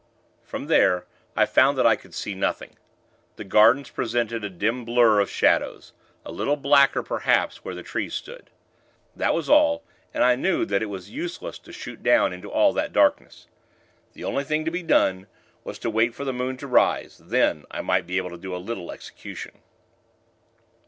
From there, I found that I could see nothing. The gardens presented a dim blur of shadows a little blacker, perhaps, where the trees stood. That was all, and I knew that it was useless to shoot down into all that darkness. The only thing to be done, was to wait for the moon to rise; then, I might be able to do a little execution.